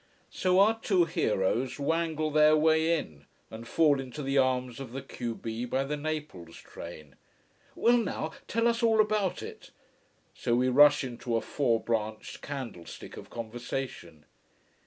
So our two heroes wangle their way in, and fall into the arms of the q b by the Naples train. Well, now, tell us all about it! So we rush into a four branched candlestick of conversation.